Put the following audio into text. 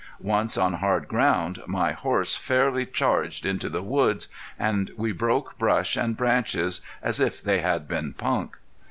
Once on hard ground my horse fairly charged into the woods and we broke brush and branches as if they had been punk.